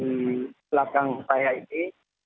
di belakang saya ini